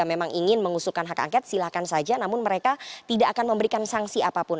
memang ingin mengusulkan hak angket silahkan saja namun mereka tidak akan memberikan sanksi apapun